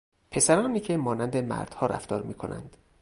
پسرانی که مانند مردها رفتار میکنند